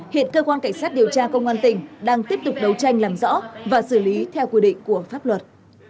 hiện cơ quan cảnh sát điều tra công an tỉnh đang tiếp tục đấu tranh làm rõ và xử lý theo quy định của pháp luật